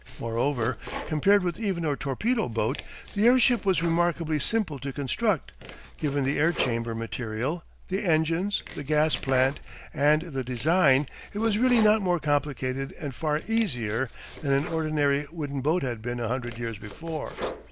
Moreover, compared with even a torpedo boat, the airship was remarkably simple to construct, given the air chamber material, the engines, the gas plant, and the design, it was really not more complicated and far easier than an ordinary wooden boat had been a hundred years before.